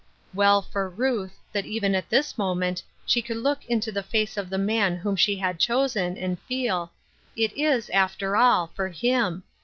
Well for Ruth, that even at this moment, she could look into the face of the man whom she had chosen, and feel :" It is after all, for him.